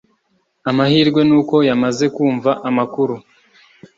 Amahirwe nuko yamaze kumva amakuru